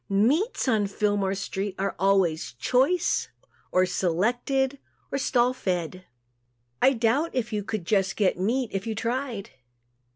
Meats, on Fillmore street, are always "choice" or "selected" or "stall fed." I doubt if you could get just "meat" if you tried.